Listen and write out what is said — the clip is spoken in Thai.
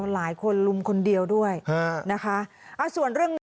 หลายคนลุมคนเดียวด้วยอ่านะคะอ่าส่วนเรื่องนี้